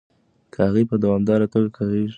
کاغۍ په دوامداره توګه کغیږي.